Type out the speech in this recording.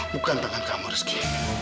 bukan tangan kamu rizky